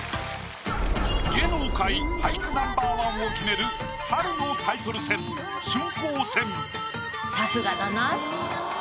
芸能界俳句Ｎｏ．１を決める春のタイトル戦春光戦。